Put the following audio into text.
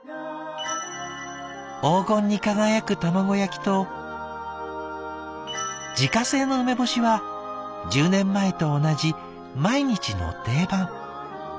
黄金に輝く卵焼きと自家製の梅干しは１０年前と同じ毎日の定番。